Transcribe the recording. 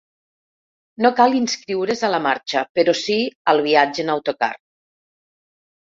No cal inscriure’s a la marxa, però sí al viatge en autocar.